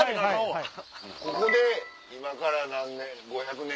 ここで今から何年？